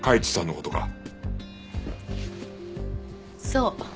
そう。